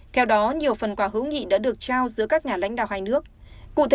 theo đó nhiều phần quà hữu nghị đã được trao giữa các nhà lãnh đạo hai nước